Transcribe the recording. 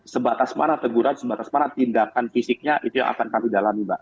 sebatas mana teguran sebatas mana tindakan fisiknya itu yang akan kami dalami mbak